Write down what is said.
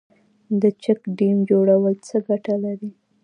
د چک ډیم جوړول څه ګټه لري؟